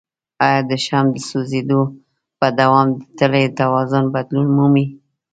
آیا د شمع د سوځیدو په دوام د تلې توازن بدلون مومي؟